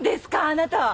あなた！